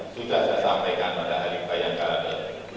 sudah saya sampaikan pada hari paya karada tujuh puluh